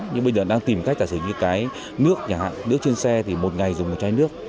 nhưng bây giờ đang tìm cách là sử dụng những cái nước nhà hạng nước trên xe thì một ngày dùng một chai nước